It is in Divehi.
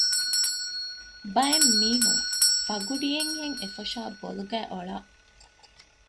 ބައެއް މީހުން ފަގުޑިއެއްހެން އެފޮށާ ބޮލުގައި އޮޅަ